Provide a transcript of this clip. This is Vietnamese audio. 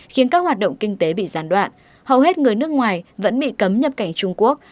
khiến các hoạt động kinh tế bị gián đoạn hầu hết người nước ngoài vẫn bị cấm nhập cảnh trung quốc